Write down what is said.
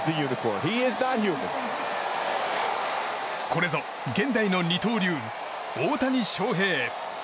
これぞ現代の二刀流大谷翔平。